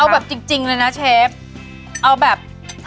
เอาแบบจริงเลยนะเชฟ